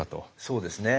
そうですね。